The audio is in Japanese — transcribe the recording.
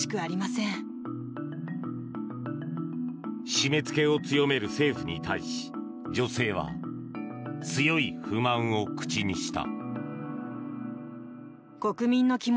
締め付けを強める政府に対し女性は強い不満を口にした。